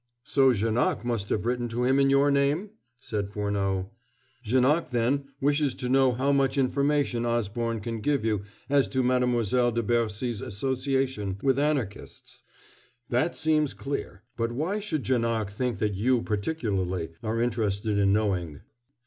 "So Janoc must have written to him in your name?" said Furneaux. "Janoc, then, wishes to know how much information Osborne can give you as to Mademoiselle de Bercy's association with Anarchists. That seems clear. But why should Janoc think that you particularly are interested in knowing?